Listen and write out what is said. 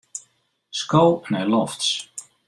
Sko nei lofts.